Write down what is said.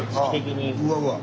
うわうわ！